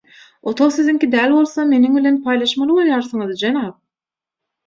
Otag siziňki däl bolsa meniň bilen paýlaşmaly bolýarsyňyz jenap